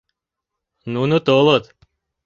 Нуно толыт...